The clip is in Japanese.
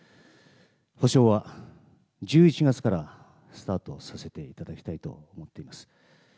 補償は１１月からスタートさせていただきたいと思っています。